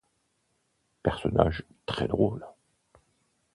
Personnage très drôle.